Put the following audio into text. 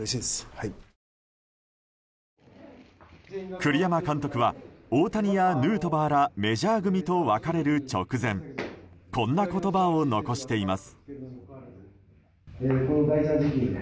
栗山監督は大谷やヌートバーらメジャー組と別れる直前こんな言葉を残しています。